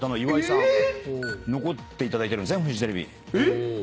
残っていただいてるんですねフジテレビ。